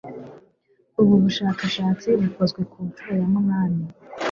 ubu bushakashatsi bukozwe ku nshuro ya munani